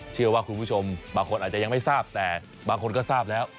เชื่อว่าคุณผู้ชมบางคนอาจจะยังไม่ทราบแต่บางคนก็ทราบแล้ว